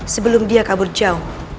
sebelum dia kabur jauh